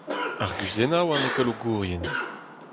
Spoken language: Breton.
Arguzennoù an ekologourien.